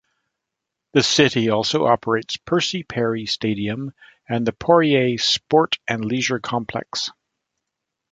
The city also operates Percy Perry Stadium and the Poirier Sport and Leisure Complex.